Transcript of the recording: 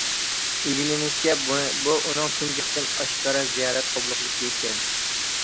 ئىگىلىنىشىچە، بۇ ئۇنىڭ تۇنجى قېتىم ئاشكارا زىيارەت قوبۇل قىلىشى ئىكەن.